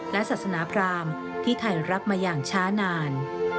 และศาสนาพรามที่ไทยรับมาอย่างช้านาน